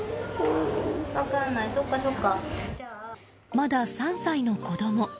まだ３歳の子供。